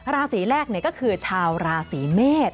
ราศีแรกก็คือชาวราศีเมษ